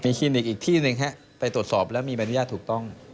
มีคลินิกอีกที่นึงครับไปตรวจสอบแล้วมีอนุญาตถูกต้อง